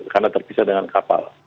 karena terpisah dengan kapal